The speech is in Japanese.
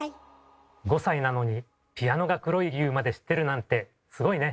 ５歳なのにピアノが黒い理由まで知ってるなんてすごいね。